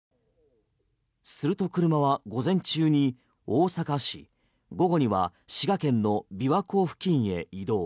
すると車は午前中に大阪市午後には滋賀県の琵琶湖付近へ移動。